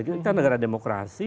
kita negara demokrasi